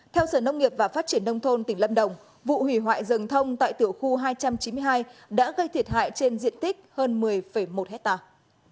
theo sở nông nghiệp và phát triển nông thôn tỉnh lâm đồng vụ hủy hoại rừng thông tại tiểu khu hai trăm chín mươi hai đã gây thiệt hại trên diện tích hơn một mươi một hectare